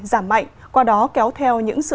giảm mạnh qua đó kéo theo những sự